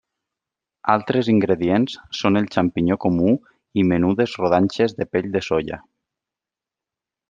Altres ingredients són el xampinyó comú i menudes rodanxes de pell de soia.